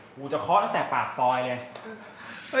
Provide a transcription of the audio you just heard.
กูจะเคาะตั้งแต่ปากซอยเลย